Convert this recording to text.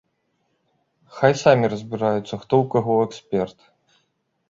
Хай самі разбіраюцца, хто ў каго эксперт.